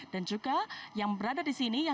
dan juga yang berada di sini